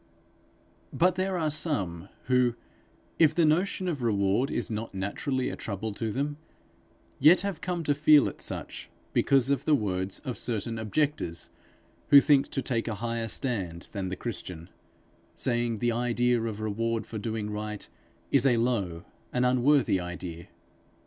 But there are some who, if the notion of reward is not naturally a trouble to them, yet have come to feel it such, because of the words of certain objectors who think to take a higher stand than the Christian, saying the idea of reward for doing right is a low, an unworthy idea.